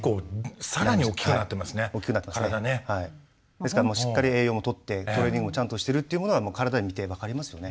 ですからしっかり栄養もとってトレーニングもちゃんとしてるっていうものは体見て分かりますよね。